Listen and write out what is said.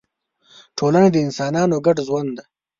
ټولنه د انسانانو ګډ ژوند دی.